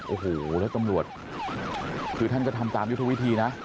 โอ้โหแล้วตำรวจคือท่านก็ทำตามยุทธวิธีนะ